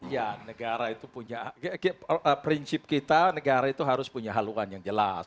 ya negara itu punya prinsip kita negara itu harus punya haluan yang jelas